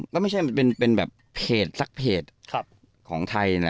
ก็ไม่ใช่เป็นแบบเพจสักเพจของไทยนะ